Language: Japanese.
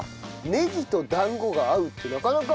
ねぎと団子が合うってなかなか。